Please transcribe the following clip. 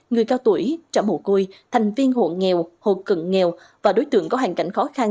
người cao tuổi trả mù côi thành viên hộ nghèo hộ cận nghèo và đối tượng có hoàn cảnh khó khăn